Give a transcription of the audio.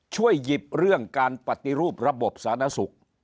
ช่วยหยิบเรื่องการปฏิรูประบบสาธารณสุข